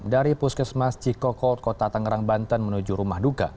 dari puskesmas cikokol kota tangerang banten menuju rumah duka